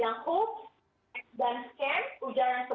bahkan penyebaran penyebaran ajaran ekstrim